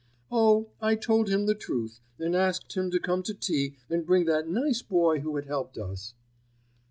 "Oh! I told him the truth and asked him to come to tea and bring that nice boy who had helped us."